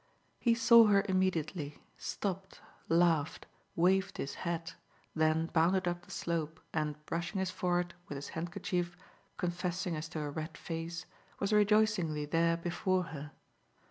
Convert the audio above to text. He saw her immediately, stopped, laughed, waved his hat, then bounded up the slope and, brushing his forehead with his handkerchief, confessing as to a red face, was rejoicingly there before her.